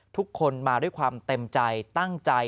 ทุกคนมาด้วยความเต็มใจตั้งใจ